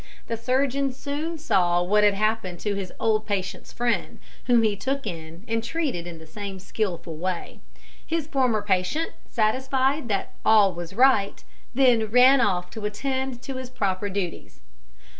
The surgeon soon saw what had happened to his old patient's friend, whom he took in and treated in the same skilful way. His former patient, satisfied that all was right, then ran off to attend to his proper duties.